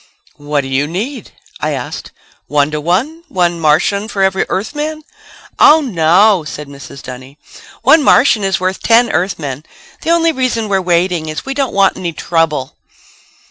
'" "What do you need?" I asked. "One to one? One Martian for every Earthman?" "Oh, no," said Mrs. Dunny, "one Martian is worth ten Earthmen. The only reason we're waiting is we don't want any trouble."